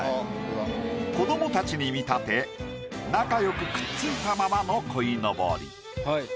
子供たちに見立て仲良くくっついたままの鯉のぼり。